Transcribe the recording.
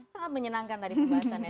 sangat menyenangkan tadi perbahasannya